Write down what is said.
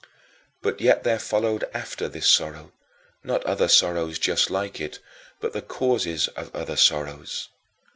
But yet there followed after this sorrow, not other sorrows just like it, but the causes of other sorrows.